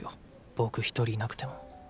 僕一人いなくても。